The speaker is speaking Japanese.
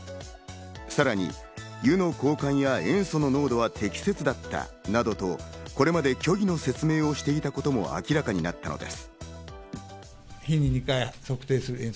さらに湯の交換や塩素の濃度は適切だったなどと、これまで虚偽の説明をしていたことも明らかになったのです。